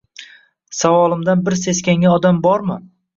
Savolimdan bir seskangan odam bormi?